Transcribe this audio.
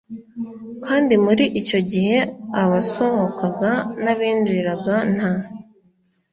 Kandi muri icyo gihe abasohokaga n abinjiraga nta